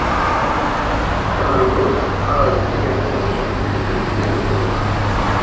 Kamarinos travaille également sur la musique originale de courts-métrages.